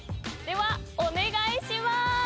ではお願いします。